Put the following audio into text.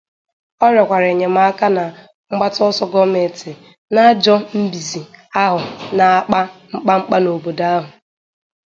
Ọ rịọkwara enyemaka na mgbataọsọ gọọmenti n'ajọ mbize ahụ na-akpa mkpamkpa n'obodo ahụ